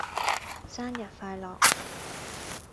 生日快樂